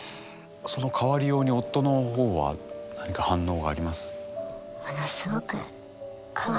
その変わりように夫の方は何か反応があります？